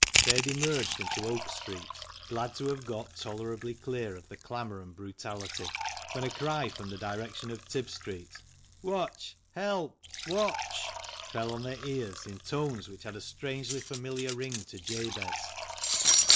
They had emerged into Oak Street, glad to have got tolerably clear of the clamour and brutality, when a cry from the direction of Tib Street, " Watch ! Help ! Watch !" fell on their ears in tones which had a strangely familiar ring to Jabez.